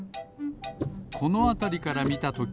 このあたりからみたとき